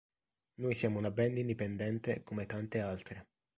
Noi siamo una band indipendente come tante altre.